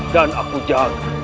dan aku jaga